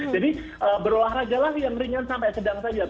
jadi berolahraga lagi yang ringan sampai sedang saja